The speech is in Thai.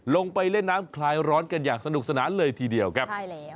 ลงไปเล่นน้ำคลายร้อนกันอย่างสนุกสนานเลยทีเดียวครับใช่แล้ว